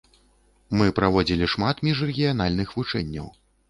Мы праводзілі шмат міжрэгіянальных вучэнняў.